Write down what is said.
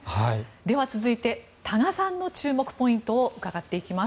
では続いて多賀さんの注目ポイントを伺っていきます。